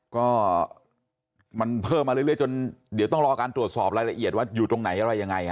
ก็มันเพิ่มมาเรื่อยจนเดี๋ยวต้องรอการตรวจสอบรายละเอียดว่าอยู่ตรงไหนอะไรยังไง